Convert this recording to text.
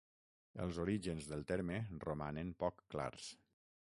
Els orígens del terme romanen poc clars.